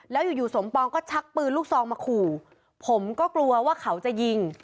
แล้วอยู่อยู่สมปองก็ชักปืนลูกซองมาขู่ผมก็กลัวว่าเขาจะยิง